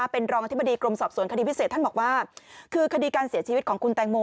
เป็นรองอธิบดีกรมสอบสวนคดีพิเศษท่านบอกว่าคือคดีการเสียชีวิตของคุณแตงโม